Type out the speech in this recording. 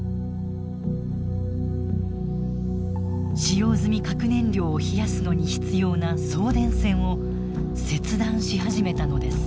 使用済み核燃料を冷やすのに必要な送電線を切断し始めたのです。